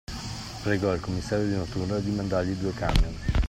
Pregò il commissario di notturna di mandargli due camion.